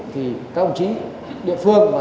thì các ông chí địa phương